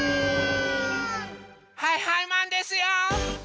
はいはいマンですよ！